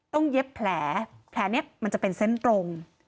เย็บแผลแผลนี้มันจะเป็นเส้นตรง